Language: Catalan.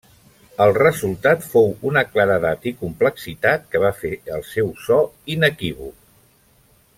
El resultat fou una claredat i complexitat que va fer el seu so inequívoc.